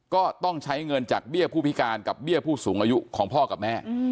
ก็ต้องใช้เงินจากเบี้ยผู้พิการกับเบี้ยผู้สูงอายุของพ่อกับแม่